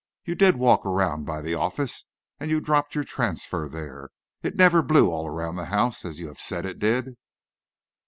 You did walk around by the office, and you dropped your transfer there. It never blew all around the house, as you have said it did."